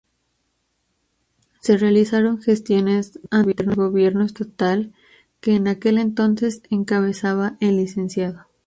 Se realizaron gestiones ante el gobierno estatal que en aquel entonces encabezaba el Lic.